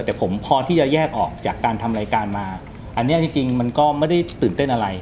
แต่ผมพอที่จะแยกออกจากการทำรายการมาอันนี้จริงจริงมันก็ไม่ได้ตื่นเต้นอะไร